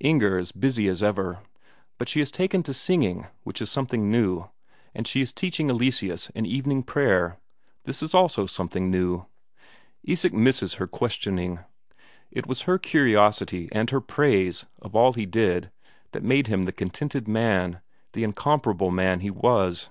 Inger is busy as ever, but she has taken to singing, which is something new, and she is teaching Eleseus an evening prayer; this also is something new. Isak misses her questioning; it was her curiosity and her praise of all he did that made him the contented man, the incomparable man he was.